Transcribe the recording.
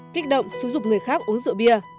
kích động sử dụng người khác uống rượu bia